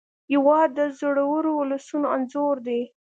هېواد د زړورو ولسونو انځور دی.